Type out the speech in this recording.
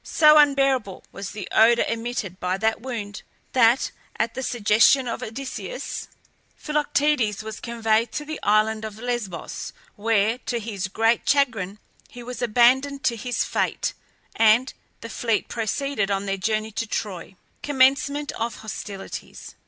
So unbearable was the odour emitted by the wound, that, at the suggestion of Odysseus, Philoctetes was conveyed to the island of Lesbos, where, to his great chagrin, he was abandoned to his fate, and the fleet proceeded on their journey to Troy. COMMENCEMENT OF HOSTILITIES.